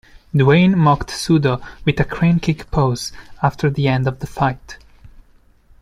Duane mocked Sudo with a crane kick pose after the end of the fight.